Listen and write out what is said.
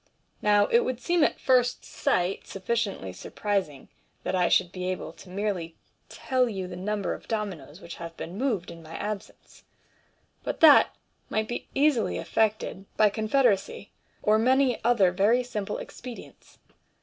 Now it would seem at first sight sufficiently surprising that I should be able merely to tell you the number of dominoes which have been moved in my absence, but that might be easily effected by con federacy, or many other very simple expedients.